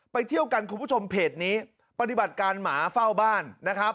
เพจนี้ปฏิบัติการหมาเฝ้าบ้านนะครับ